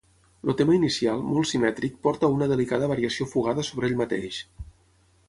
El tema inicial, molt simètric, porta a una delicada variació fugada sobre ell mateix.